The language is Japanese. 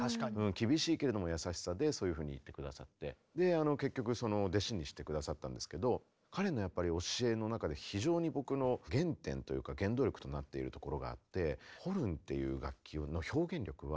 厳しいけれども優しさでそういうふうに言って下さって結局弟子にして下さったんですけど彼のやっぱり教えの中で非常に僕の原点というか原動力となっているところがあって。